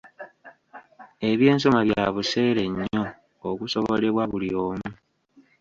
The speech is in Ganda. Eby'ensoma bya buseere nnyo okusobolebwa buli omu.